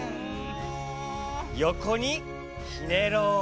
よこにひねろう。